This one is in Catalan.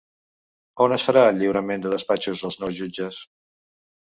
On es farà el lliurament de despatxos als nous jutges?